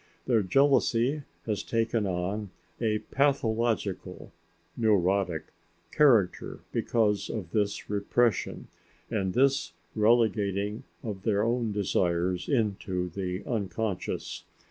Their jealousy has taken on a pathological (neurotic) character because of this repression and this relegating of their own desires into the unconscious.